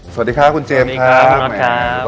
สวัสดีค่ะคุณเจมส์ครับสวัสดีครับคุณนอทครับ